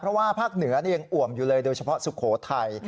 เพราะว่าภาคเหนือยังอ่วมอยู่เลยโดยเฉพาะสุโขทัย